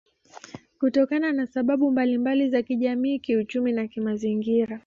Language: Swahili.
kutokana na sababu mbalimba za kijamii kiuchumi na kimazingira